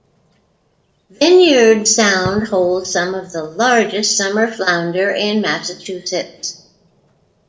Vineyard Sound holds some of the largest summer flounder in Massachusetts.